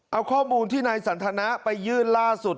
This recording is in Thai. เอาข้อมูลที่นายสันทนะไปยื่นล่าสุด